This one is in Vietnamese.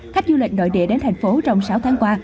khách du lịch nội địa đến thành phố trong sáu tháng qua